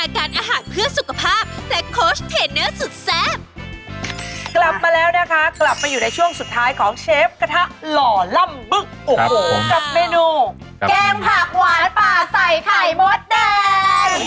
กลับมาแล้วนะคะกลับไปอยู่ในช่วงสุดท้ายของเชฟกระทะหล่อล่ำบึกโอ้โหกับเมนูแกงผักหวานป่าใส่ไข่มดแดง